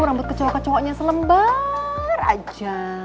rambut kecowok kecowoknya selembar aja